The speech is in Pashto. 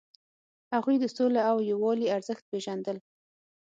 هغوی د سولې او یووالي ارزښت پیژندل.